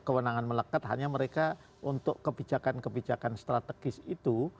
kewenangan melekat hanya mereka untuk kebijakan kebijakan strategis itu